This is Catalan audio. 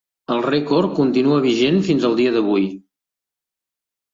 El rècord continua vigent fins al dia d'avui.